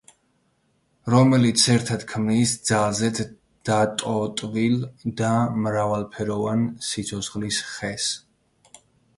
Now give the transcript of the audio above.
რომელიც ერთად ქმნის ძალზედ დატოტვილ და მრავალფეროვან სიცოცხლის ხეს.